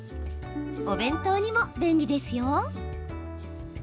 お弁当にも便利ですよ。